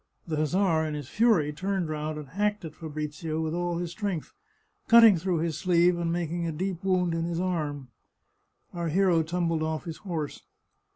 The hussar, in his fury, turned round and hacked at Fabrizio with all his strength, cutting through his sleeve and making a deep wound in his arm. Our hero tumbled off his horse.